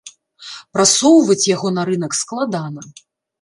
Прасоўваць яго на рынак складана.